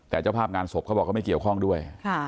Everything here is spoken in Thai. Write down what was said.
แต่เจ้าภาพงานศพเขาบอกเขาไม่เกี่ยวข้องด้วย